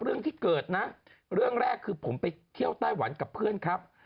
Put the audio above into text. เรื่องที่เกิดนะเรื่องแรกคือผมไปเที่ยวไต้หวันกับเพื่อนครับ